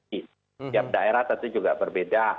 setiap daerah tentu juga berbeda